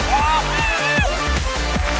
โอ้โฮ